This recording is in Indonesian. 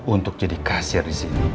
untuk jadi kasir disini